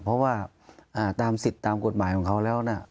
เพราะว่าตามสิทธิ์ตามกฎหมายของเขาแล้วนะ